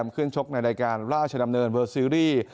ขึ้นชกในรายการราชดำเนินเวอร์ซีรีส์